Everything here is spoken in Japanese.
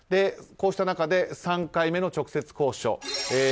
こうした中で３回目の直接交渉。